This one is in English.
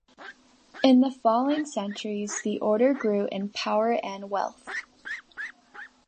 In the following centuries the order grew in power and wealth.